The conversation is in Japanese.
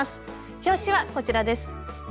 表紙はこちらです。